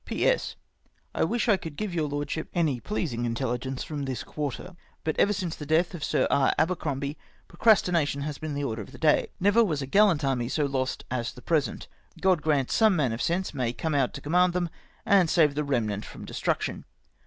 " P.S. I wish I could give your Lordship any pleasing intelligence from this quarter; but ever since the death of * Arcliibakl. RELUCTANCE OF LORD ST. VINCENT TO PROMOTE ME. 139 Sir R. Abercromby, procrastination has been the order of the day. Never was a gallant army so lost as the present. God grant some man of sense may come out to command them, and save the remnant from destruction.